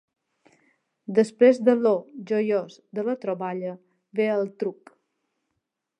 Després de l'oh joiós de la troballa ve el truc.